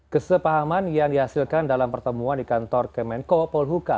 kesepahaman yang dihasilkan dalam pertemuan di kantor kemenko polhuka